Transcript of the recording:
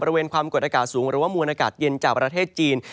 บริเวณความกดอากาศสูงหรือว่ามวลอากาศเย็นจากประเทศจีน